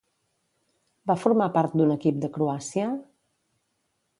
Va formar part d'un equip de Croàcia?